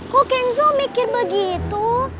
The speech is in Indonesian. kok kenzo mikir begitu